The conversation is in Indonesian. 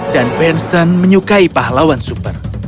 dan benson menyukai pahlawan super